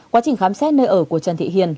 quá trình khám xét nơi ở của trần thị hiền